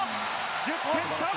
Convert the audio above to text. １０点差！